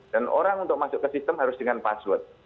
dan orang untuk masuk ke sistem harus dengan password